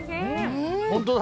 本当だ。